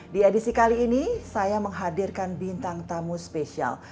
di edisi kali ini saya menghadirkan bintang tamu spesial